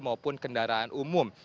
maupun kendaraan umum